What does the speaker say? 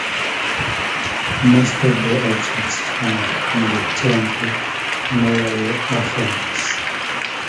Most of the objects found in the Templo Mayor were offerings.